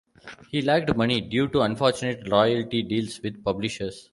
He lacked money due to unfortunate royalty deals with publishers.